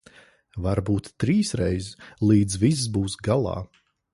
Varbūt trīsreiz, līdz viss būs galā.